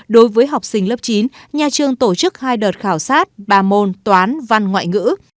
đối với học sinh lớp chín nhà trường tổ chức hai đợt khảo sát ba môn toán văn ngoại ngữ